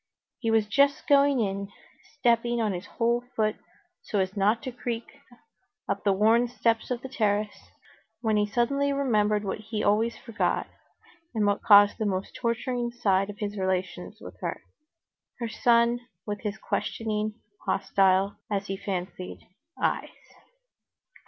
He was just going in, stepping on his whole foot so as not to creak, up the worn steps of the terrace, when he suddenly remembered what he always forgot, and what caused the most torturing side of his relations with her, her son with his questioning—hostile, as he fancied—eyes.